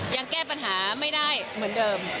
ยังแก้ปัญหาไม่ได้เหมือนเดิม